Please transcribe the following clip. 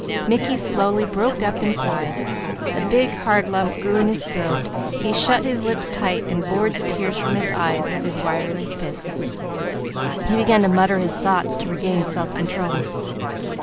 Mickey slowly broke up inside. A big, hard lump grew in his throat. He shut his lips tight and bored the tears from his eyes with his wiry fists. He began to mutter his thoughts to regain self control.